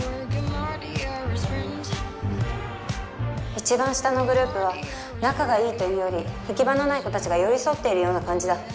一番下のグループは仲が良いというより行き場のない子たちが寄り添っているような感じだ。